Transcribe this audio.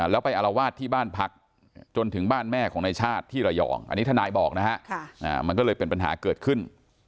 แล้วไปอารวาสที่บ้านพักจนถึงบ้านแม่ของนายชาติที่ระยองอันนี้ทนายบอกนะฮะมันก็เลยเป็นปัญหาเกิดขึ้น